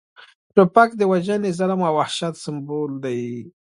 توپک د وژنې، ظلم او وحشت سمبول دی